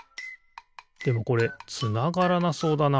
でもこれつながらなそうだな。